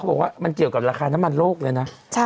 บอกว่ามันเกี่ยวกับราคาน้ำมันโลกเลยนะ